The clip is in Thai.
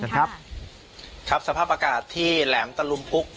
ครับครับสภาพอากาศที่แหลมตะลุมพุก